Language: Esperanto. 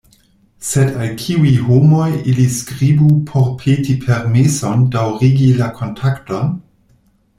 Sed al kiuj homoj ili skribu por peti permeson daŭrigi la kontakton?